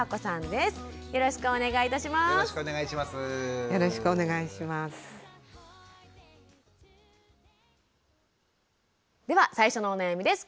では最初のお悩みです。